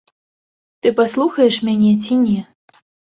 Ты паслухаеш мяне ці не?